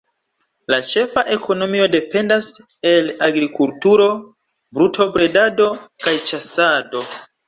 La ĉefa ekonomio dependas el la agrikulturo, brutobredado kaj ĉasado.